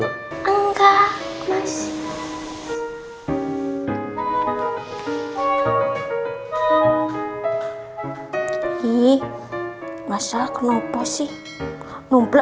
nemenin papa kamu